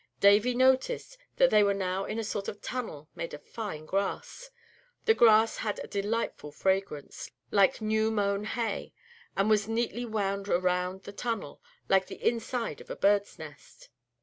Davy noticed that they were now in a sort of tunnel made of fine grass. The grass had a delightful fragrance, like new mown hay, and was neatly wound around the tunnel, like the inside of a bird's nest.